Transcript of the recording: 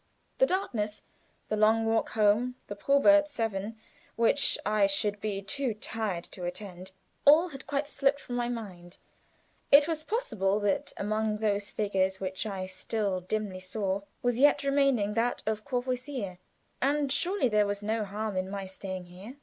The darkness, the long walk home, the probe at seven, which I should be too tired to attend, all had quite slipped from my mind; it was possible that among those figures which I still dimly saw, was yet remaining that of Courvoisier, and surely there was no harm in my staying here.